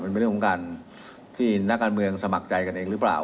มันเป็นเรื่องของการที่นักการเมืองสมัครใจกันเองหรือเปล่า